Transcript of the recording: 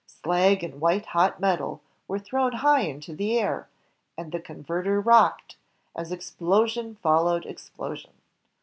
Slag and white hot metal were thrown high into the air, and the converter rocked, as explosion followed explosion.